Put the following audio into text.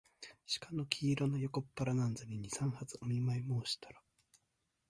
鹿の黄色な横っ腹なんぞに、二三発お見舞もうしたら、